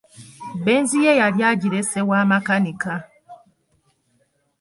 Benz ye yali yagirese wa makanika.